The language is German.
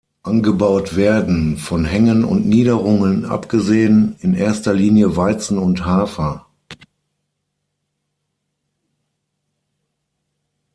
Angebaut werden, von Hängen und Niederungen abgesehen, in erster Linie Weizen und Hafer.